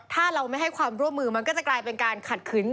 ถ้าเราไม่ให้ความร่วมมือมันก็จะกลายเป็นการขัดขืน